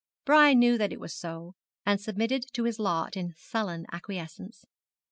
Brian knew that it was so, and submitted to his lot in sullen acquiescence.